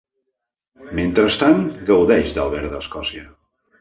Mentrestant, gaudeix del verd d’Escòcia.